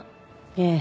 ええ。